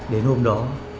đến hôm đó